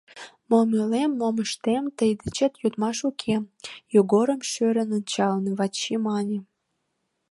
Мом ойлем, мом ыштем — тый дечет йодмаш уке, — Йогорым шӧрын ончалын, Вачи мане.